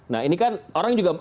nah ini kan orang juga